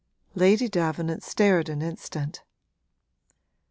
Lady Davenant stared an instant.